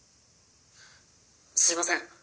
すいません。